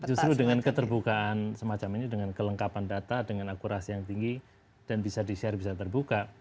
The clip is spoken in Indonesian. justru dengan keterbukaan semacam ini dengan kelengkapan data dengan akurasi yang tinggi dan bisa di share bisa terbuka